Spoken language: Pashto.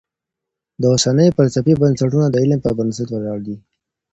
د اوسنۍ فلسفې بنسټونه د علم پر بنسټ ولاړ دي.